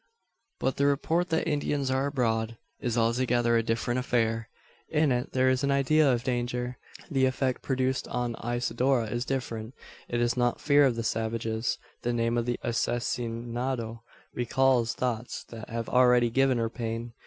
But the report that Indians are abroad, is altogether a different affair. In it there is an idea of danger. The effect produced on Isidora is different. It is not fear of the savages. The name of the "asesinado" recalls thoughts that have already given her pain.